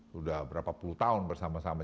sudah berapa puluh tahun bersama sama